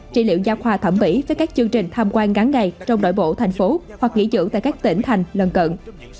trị liệu gia khoa thẩm mỹ với các chương trình tham quan ngắn ngày trong đội bộ thành phố hoặc nghỉ dưỡng tại các tỉnh thành lân cận